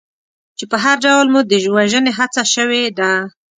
چې په هر ډول مو د وژنې هڅه شوې ده.